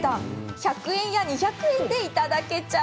１００円や２００円でいただけちゃう。